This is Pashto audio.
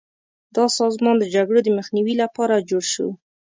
دا سازمان د جګړو د مخنیوي لپاره جوړ شو.